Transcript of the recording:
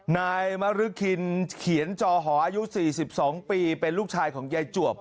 นายมรึคินเขียนจอหออายุ๔๒ปีเป็นลูกชายของยายจวบ